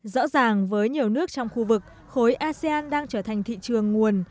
rõ ràng với nhiều nước trong khu vực khối asean đang trở thành thị trường nguồn